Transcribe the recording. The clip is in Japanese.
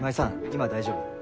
今大丈夫？